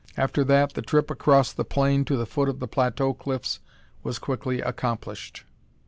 After that, the trip across the plain to the foot of the plateau cliffs was quickly accomplished.